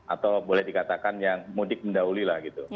atau boleh dikatakan yang mudik mendahulilah gitu